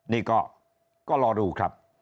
นี่ก็รอดูครับ